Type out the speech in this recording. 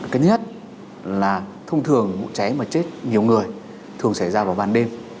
cái nhất là thông thường vụ trái mà chết nhiều người thường xảy ra vào ban đêm